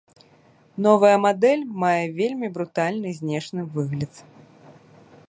Новая мадэль мае вельмі брутальны знешні выгляд.